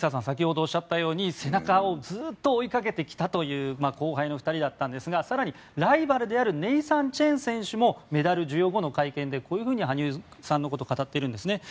先ほどおっしゃったように背中をずっと追いかけてきたという後輩の２人だったんですが更にライバルであるネイサン・チェン選手もメダル授与後の会見でこういうふうに羽生さんのことを語っています。